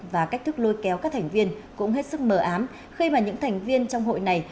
và cách thức lôi kéo các thành viên cũng hết sức mờ ám khi mà những thành viên trong hội này